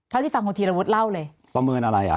เท่าที่ฟังคุณธีรวุฒิเล่าเลยประเมินอะไรอ่ะ